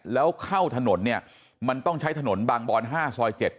แล้วเข้าถนนเนี่ยมันต้องใช้ถนนบางบอน๕ซอย๗